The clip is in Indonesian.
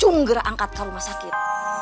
cungger angkat rumah sakit